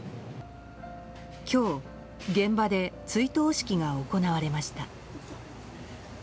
今日、現場で追悼式が行われました。